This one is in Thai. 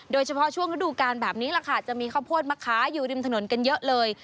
โดยเฉพาะช่วงฤดูการแบบนี้แหละค่ะจะมีข้าวโพดมะขาอยู่ริมถนนกันเยอะเลย